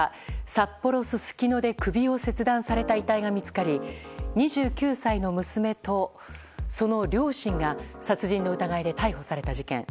札幌・すすきので首が切断された遺体が見つかり２９歳の娘と、その両親が殺人の疑いで逮捕された事件。